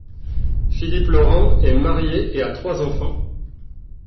Philippe Laurent est marié et a trois enfants.